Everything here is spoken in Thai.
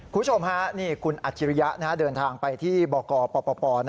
คุณผู้ชมฮะนี่คุณอัจฉริยะเดินทางไปที่บกปป